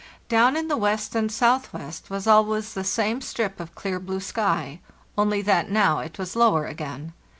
Down in the west and southwest was always the same strip of clear blue sky, only that now it was lower again.